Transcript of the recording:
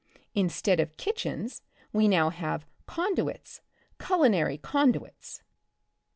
Instead of kitchens we now have conduits, culinary conduits."